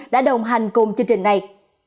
đã đồng hành cùng chương trình này